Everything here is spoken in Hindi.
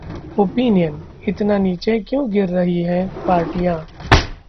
Opinion: इतना नीचे क्यूं गिर रही हैं पार्टियां